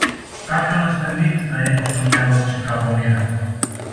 Κάποιον ασθενή θα είχε στο μυαλό της η κακομοίρα